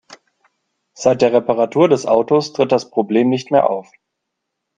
Seit der Reparatur des Autos tritt das Problem nicht mehr auf.